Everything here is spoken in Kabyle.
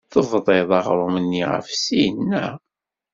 Tebḍiḍ aɣrum-nni ɣef sin, naɣ?